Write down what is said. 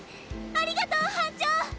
ありがとう班長！